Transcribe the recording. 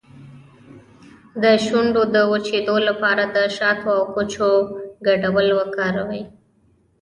د شونډو د وچیدو لپاره د شاتو او کوچو ګډول وکاروئ